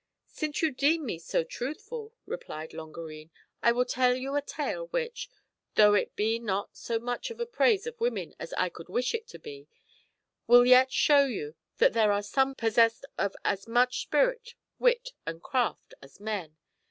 "Since you deem me so truthful," replied Longarine, SECOND T>AY: TALE XIV. 155 "I will tell you a tale which, though it be not so much to the praise of women as I could wish it to be, will yet show you that there are some possessed of as much spirit, wit, and craft as men.